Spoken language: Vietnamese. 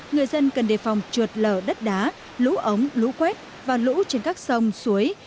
người dân cần đề phòng trượt lở đất đá lũ ống lũ quét và lũ trên các sông suối